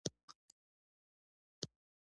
آیا د پکول په سر کول هم دود نه دی؟